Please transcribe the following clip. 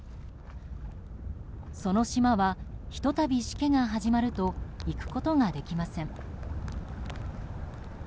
その島はひと度しけが始まると行くことができません。